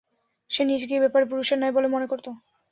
সে নিজেকে এ ব্যাপারে পুরুষের ন্যায় বলে মনে করত।